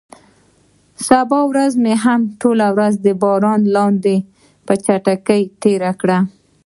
سبا ورځ مو هم ټوله ورځ تر باران لاندې په چټکۍ تېره کړه.